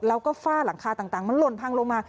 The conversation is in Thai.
แล้วก็ฝ้าหลังคาต่างมันหล่นพังลงมา